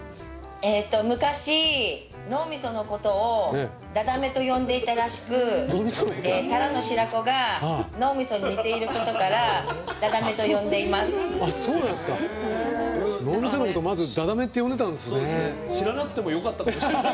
昔、脳みそのことを「ダダメ」と呼んでいたらしくタラの白子が脳みそに似ていることからダダメと呼んでいます。